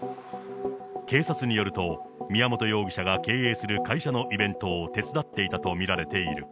警察によると、宮本容疑者が経営する会社のイベントを手伝っていたと見られている。